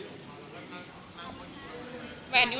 หรือแหวนที่ไม่จริงเนอะ